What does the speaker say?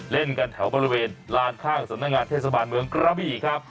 เล่นกันแถวบริเวณลานข้างสำนักงานเทศบาลเมืองกระบี่ครับ